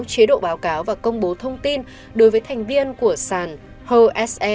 chế độ báo cáo và công bố thông tin đối với thành viên của sản hse